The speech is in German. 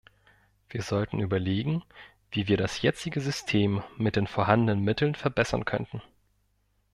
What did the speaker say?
Wir sollten überlegen, wie wir das jetzige System mit den vorhandenen Mitteln verbessern könnten.